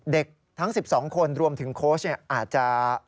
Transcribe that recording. เด็กทั้ง๑๒คนรวมถึงโค้ชเนี่ยอาจจะ